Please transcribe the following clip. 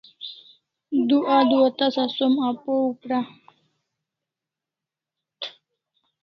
Du adua tasa som apaw pra